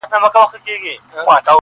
• او درد د تجربې برخه ده,